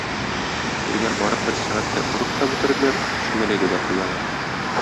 Тегеләр барып бер сәгатьтә урып та бетерделәр, чүмәләгә дә куялар.